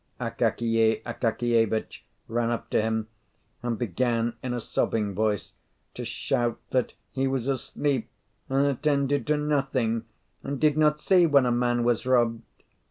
Akakiy Akakievitch ran up to him, and began in a sobbing voice to shout that he was asleep, and attended to nothing, and did not see when a man was robbed.